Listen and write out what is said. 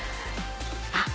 あっ！